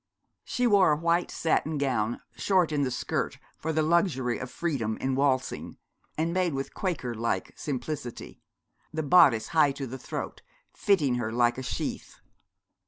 She wore a white satin gown, short in the skirt, for the luxury of freedom in waltzing, and made with Quaker like simplicity, the bodice high to the throat, fitting her like a sheath.